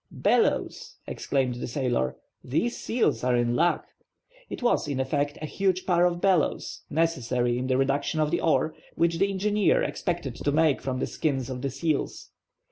"Bellows!" exclaimed the sailor. "These seals are in luck." It was, in effect, a huge pair of bellows, necessary in the reduction of the ore, which the engineer expected to make from the skins of the seals.